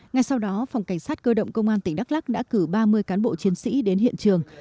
ngay sau đó phòng cảnh sát cơ động công an tỉnh đắk lắc đã cử ba mươi cán bộ chiến sĩ đến hiện trường